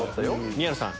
宮野さん